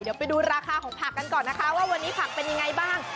เดี๋ยวไปดูราคาของผักกันก่อนนะคะว่าวันนี้ผักเป็นยังไงบ้าง